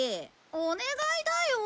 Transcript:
お願いだよ。